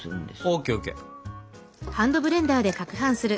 ＯＫＯＫ。